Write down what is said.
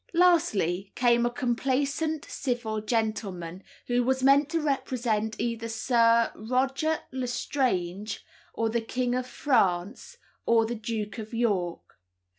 Lastly came a complaisant, civil gentleman, who was meant to represent either Sir Roger l'Estrange, or the King of France, or the Duke of York.